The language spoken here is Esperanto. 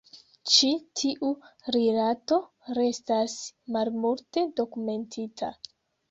Ĉi tiu rilato restas malmulte dokumentita.